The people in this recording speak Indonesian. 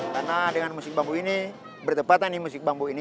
karena dengan musik bambu ini bertepatan musik bambu ini